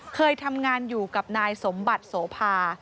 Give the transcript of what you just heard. เคยทำงานอยู่กับนายสมบัติโสภา